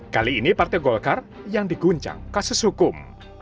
kali ini partai golkar yang diguncang kasus hukum